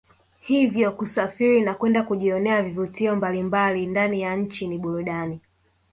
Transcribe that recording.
Hivyo kusafiri na kwenda kujionea vivutio mbalimbali ndani ya nchi ni burudani